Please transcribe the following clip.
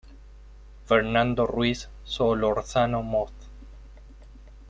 Fernando Ruiz Solórzano, Mons.